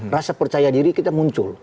rasa percaya diri kita muncul